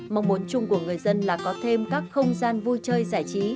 mong muốn chung của người dân là có thêm các không gian vui chơi giải trí